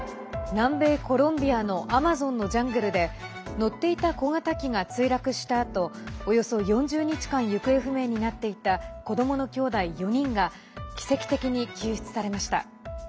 南米コロンビアのアマゾンのジャングルで乗っていた小型機が墜落したあとおよそ４０日間行方不明になっていた子どものきょうだい４人が奇跡的に救出されました。